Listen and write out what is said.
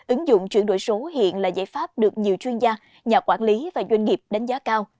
ứng dụng chuyển đổi số hiện là giải pháp được nhiều chuyên gia nhà quản lý và doanh nghiệp đánh giá cao